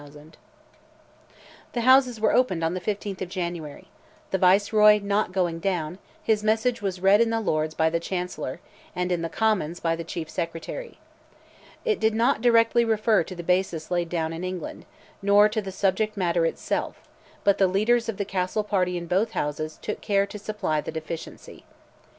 The Houses were opened on the 15th of January. The Viceroy not going down, his message was read in the Lords, by the Chancellor, and in the Commons, by the Chief Secretary. It did not directly refer to the basis laid down in England, nor to the subject matter itself; but the leaders of the Castle party in both Houses, took care to supply the deficiency.